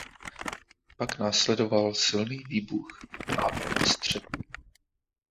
Pak následoval silný výbuch a vlna střepů.